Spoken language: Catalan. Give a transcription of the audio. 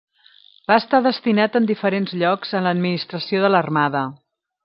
Va estar destinat en diferents llocs en l'administració de l'Armada.